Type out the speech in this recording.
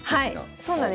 はいそうなんです。